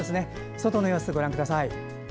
外の様子、ご覧ください。